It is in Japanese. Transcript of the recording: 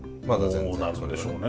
どうなるんでしょうね